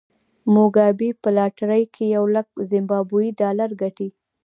موګابي په لاټرۍ کې یو لک زیمبابويي ډالر ګټي.